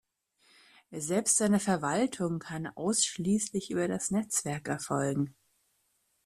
Selbst seine Verwaltung kann ausschließlich über das Netzwerk erfolgen.